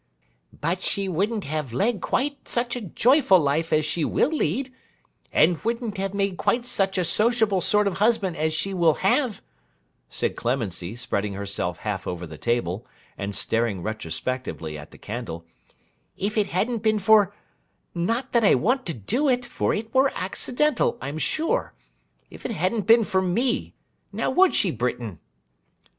'But she wouldn't have led quite such a joyful life as she will lead, and wouldn't have had quite such a sociable sort of husband as she will have,' said Clemency, spreading herself half over the table, and staring retrospectively at the candle, 'if it hadn't been for—not that I went to do it, for it was accidental, I am sure—if it hadn't been for me; now would she, Britain?